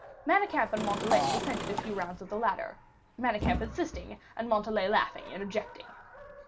Manicamp and Montalais descended a few rounds of the ladder, Manicamp insisting, and Montalais laughing and objecting.